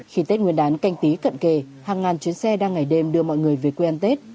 khi tết nguyên đán canh tí cận kề hàng ngàn chuyến xe đang ngày đêm đưa mọi người về quê ăn tết